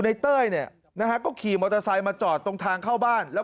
เต้ยเนี่ยนะฮะก็ขี่มอเตอร์ไซค์มาจอดตรงทางเข้าบ้านแล้ว